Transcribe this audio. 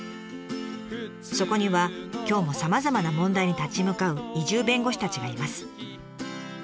そこには今日もさまざまな問題に立ち向かう移住弁護士たちがいます。